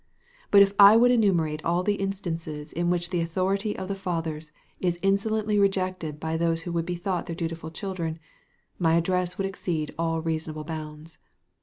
But if I would enumerate all the instances in which the authority of the fathers is insolently rejected by those who would be thought their dutiful children, my address would exceed all reasonable bounds.